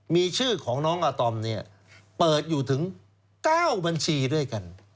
มีชื่อของน้องอาตอมเนี่ยเปิดอยู่ถึง๙บัญชีด้วยกัน